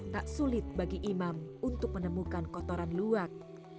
tak sulit bagi imam untuk menemukan kotoran luwak